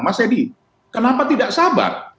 mas edi kenapa tidak sabar